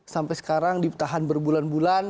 sampai sekarang ditahan berbulan bulan